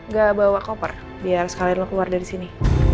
gak bawa koper biar sekalian lo keluar dari sini